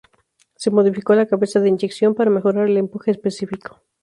Se modificó la cabeza de inyección para mejorar el empuje específico.